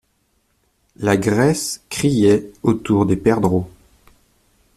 La graisse criait autour des perdreaux.